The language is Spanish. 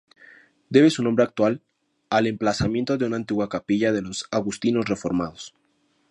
Debe su nombre actual al emplazamiento de una antigua capilla de los Agustinos Reformados.